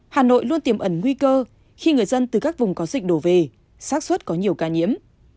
hà nội luôn tiềm ẩn nguy cơ khi người dân từ các vùng có dịch đổ về sát xuất có nhiều ca nhiễm